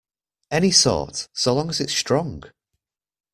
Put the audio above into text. Any sort, so long as it's strong.